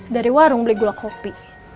dari warung beli gula kopi